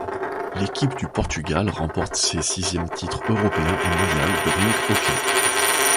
L'équipe du Portugal remporte ses sixièmes titres européen et mondial de rink hockey.